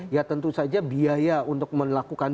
ya tentu saja biaya untuk melakukan